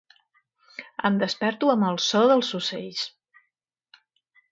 Em desperto amb el so dels ocells.